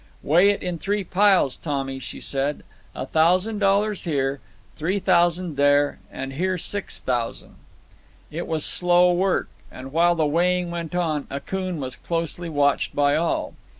"Weigh it in three piles, Tommy," she said. "A thousand dollars here, three thousand here, and here six thousand." It was slow work, and, while the weighing went on, Akoon was closely watched by all.